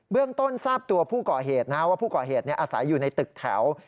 เรื่องต้นทราบตัวผู้ก่อเหตุว่าผู้ก่อเหตุอาศัยอยู่ในตึกแถว